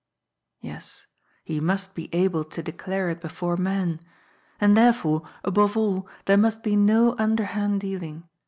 Yes, he must be able to declare it before men. And therefore, aboye all, there must be no underhand dealing.